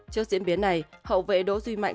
trước diễn biến này hậu vệ đỗ duy mạnh